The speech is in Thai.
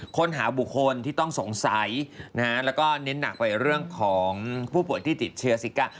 ค้นหาบุคคลที่ต้องสงสัยนะฮะแล้วก็เน้นหนักไปเรื่องของผู้ป่วยที่ติดเชื้อสิก้า